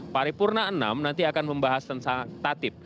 paripurna enam nanti akan membahas tentang tatip